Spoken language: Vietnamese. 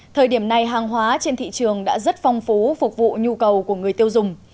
thời điểm này hàng hóa trên thị trường đã rất phong phú phục vụ nhu cầu của người tiêu dùng